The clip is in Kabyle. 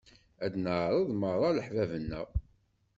Ad d-neɛreḍ merra leḥbab-nneɣ.